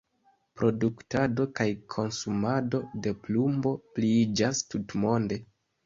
Produktado kaj konsumado de plumbo pliiĝas tutmonde.